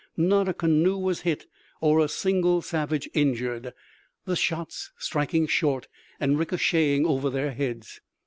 Not a canoe was hit or a single savage injured, the shots striking short and ricocheting over their heads.